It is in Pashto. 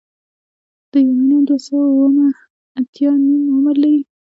د یورانیم دوه سوه اوومه اتیا نیم عمر لري.